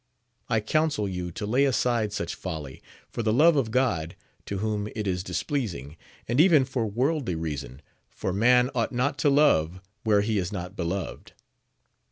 I counsel you to lay aside such folly, for the love of God, to whom it is displeasing, and even for worldly reason, for man ought not to love where he is not beloved.